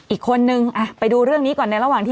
อีกคนนึงไปดูเรื่องนี้ก่อนในระหว่างที่